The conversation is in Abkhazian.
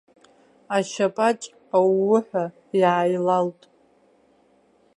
Ашьаԥаҿ аууҳәа иааилалт.